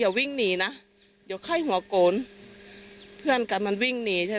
วิ่งหนีนะเดี๋ยวไข้หัวโกนเพื่อนกันมันวิ่งหนีใช่ไหม